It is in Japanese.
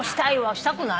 したくない？